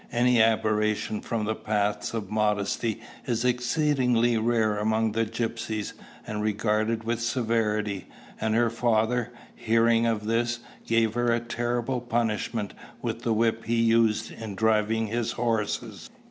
Any aberration from the paths of modesty is exceedingly rare among the gypsies, and regarded with severity; and her father, hearing of this, gave her a terrible punishment with the whip he used in driving his horses.